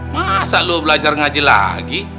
masa lo belajar ngaji lagi